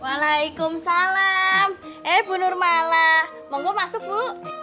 walaikum salam eh bu nurmala mau gue masuk bu